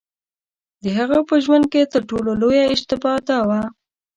د هغه په ژوند کې تر ټولو لویه اشتباه دا وه.